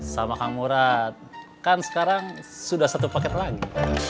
sama kamu rad kan sekarang sudah satu paket lagi